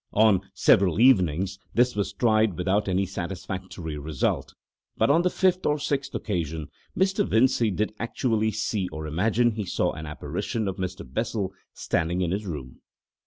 On several evenings this was tried without any satisfactory result, but on the fifth or sixth occasion Mr. Vincey did actually see or imagine he saw an apparition of Mr. Bessel standing in his room.